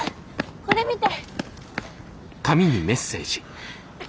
これ見て！